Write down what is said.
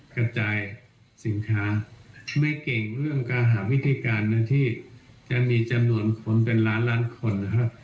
กระจายสินค้าไม่เก่งเรื่องการหาวิธีการนะที่จะมีจำนวนคนเป็นล้านล้านคนนะครับ